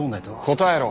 答えろ。